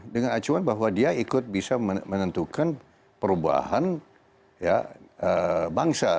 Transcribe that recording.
dengan acuan bahwa dia ikut bisa menentukan perubahan bangsa